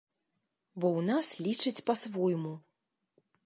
Бо ў нас лічаць па-свойму.